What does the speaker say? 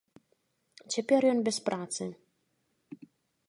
Цяпер ён без працы.